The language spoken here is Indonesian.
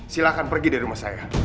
silahkan pergi dari rumah saya